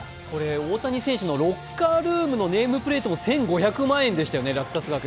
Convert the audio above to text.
大谷選手のロッカールームのネームプレートも１５００万円でしたよね、落札額。